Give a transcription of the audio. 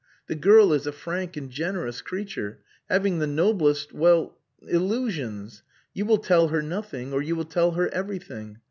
The girl is a frank and generous creature, having the noblest well illusions. You will tell her nothing or you will tell her everything.